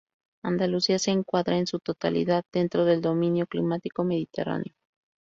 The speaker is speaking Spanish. Andalucía se encuadra en su totalidad dentro del dominio climático mediterráneo.